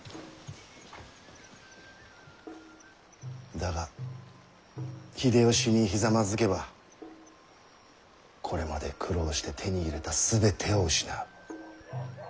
だが秀吉にひざまずけばこれまで苦労して手に入れた全てを失う。